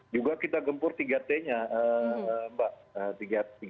juga kita gempur tiga t nya mbak